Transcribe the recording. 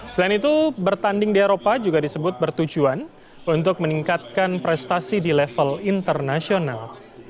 selain itu bertanding di eropa juga disebut bertujuan untuk meningkatkan prestasi di level internasional